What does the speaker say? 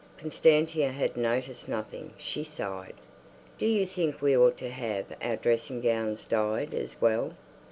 Constantia had noticed nothing; she sighed. "Do you think we ought to have our dressing gowns dyed as well?"